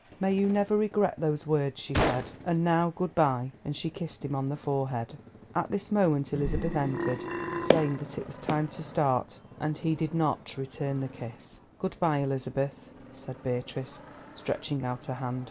"May you never regret those words," she said; "and now good bye," and she kissed him on the forehead. At this moment Elizabeth entered, saying that it was time to start, and he did not return the kiss. "Good bye, Elizabeth," said Beatrice, stretching out her hand.